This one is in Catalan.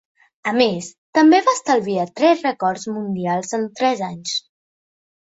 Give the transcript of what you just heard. A més, també va establir tres records mundials en tres anys.